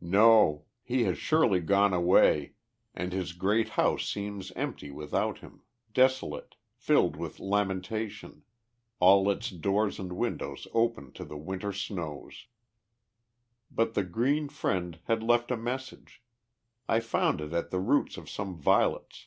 No! he has surely gone away, and his great house seems empty without him, desolate, filled with lamentation, all its doors and windows open to the Winter snows. But the Green Friend had left me a message. I found it at the roots of some violets.